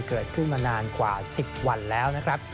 เกิดขึ้นมานานกว่า๑๐วันแล้วนะครับ